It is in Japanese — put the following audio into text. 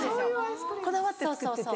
こだわって作ってて。